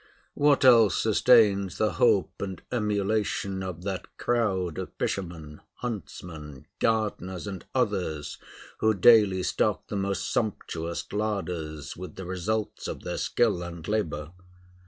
What else sustains the hope and emulation of that crowd of fishermen, huntsmen, gardeners, and others who daily stock the most sumptuous larders with the results of their skill and labor?